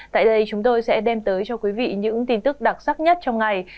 tại đây chúng tôi sẽ đem tới cho quý vị những tin tức đặc sắc nhất trong ngày